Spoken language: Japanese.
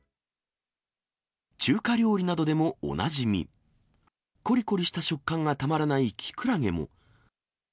中華料理などでもおなじみ、こりこりした食感がたまらないキクラゲも。